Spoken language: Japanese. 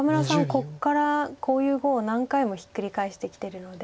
ここからこういう碁を何回もひっくり返してきてるので。